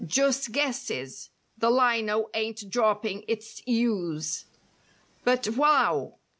Just guesses: "The lino ain't dropping its u's." But, wow!